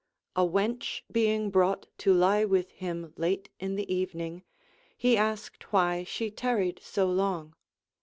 A wench bein^ brouorht to lie with him late in the evening, he asked why she tarried so long.